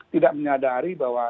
tidak menyadari bahwa